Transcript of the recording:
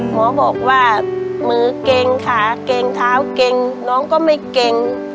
หมอบอกว่ามือเก่งขาเก่งเท้าเก่งน้องก็ไม่เก่ง